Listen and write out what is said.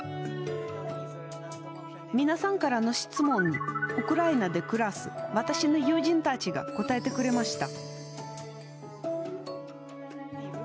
皆さんからの質問にウクライナで暮らす私の友人たちが答えてくれました。